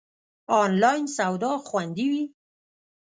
آنلاین سودا خوندی وی؟